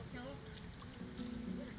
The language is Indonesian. mereka berusaha mencari tempat untuk hidup